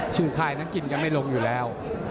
ชื่อคลายน้ำกินยังไม่ลงอยู่แล้ว